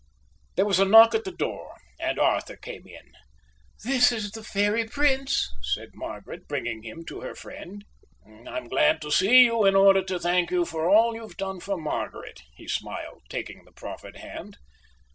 There was a knock at the door, and Arthur came in. "This is the fairy prince," said Margaret, bringing him to her friend. "I'm glad to see you in order to thank you for all you've done for Margaret," he smiled, taking the proffered hand.